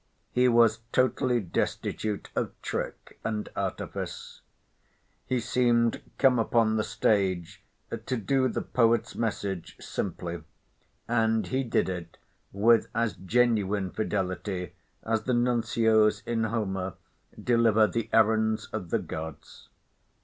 He was totally destitute of trick and artifice. He seemed come upon the stage to do the poet's message simply, and he did it with as genuine fidelity as the nuncios in Homer deliver the errands of the gods.